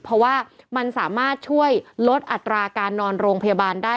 เพราะว่ามันสามารถช่วยลดอัตราการนอนโรงพยาบาลได้